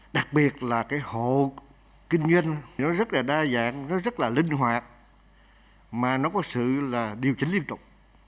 đặc biệt là cái hộ kinh doanh nó rất là đa dạng nó rất là linh hoạt mà nó có sự là điều chỉnh liên trục